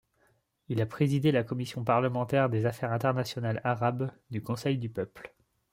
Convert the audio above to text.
Il a présidé la commission parlementaire des affaires internationales arabes du Conseil du peuple.